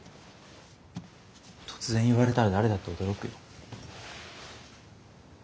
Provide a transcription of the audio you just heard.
突然言われたら誰だって驚くよ。